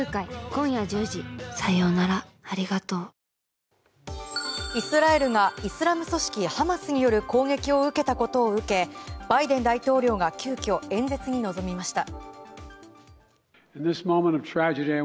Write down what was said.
ポリグリップイスラエルがイスラム組織ハマスによる攻撃を受けたことを受けバイデン大統領が急きょ、演説に臨みました。